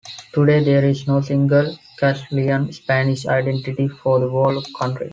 Today, there is no single Castilian-Spanish identity for the whole country.